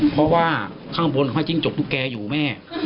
เพราะข้างบนเค้าไห้จิ้งจกสุดแก่อยู่แม่